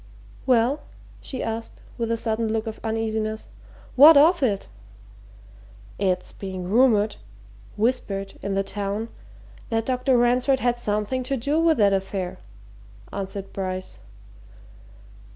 "Well?" she asked, with a sudden look of uneasiness. "What of it?" "It's being rumoured whispered in the town that Dr. Ransford had something to do with that affair," answered Bryce.